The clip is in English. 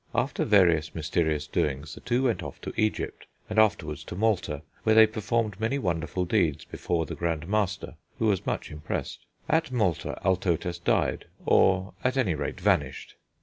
After various mysterious doings the two went off to Egypt, and afterwards to Malta, where they performed many wonderful deeds before the Grand Master, who was much impressed. At Malta Altotas died, or, at anyrate, vanished.